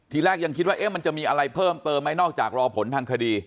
ทีแรกยังคิดว่ามันจะมีอะไรเพิ่มเติมไหมนอกจากรอผลทางคดี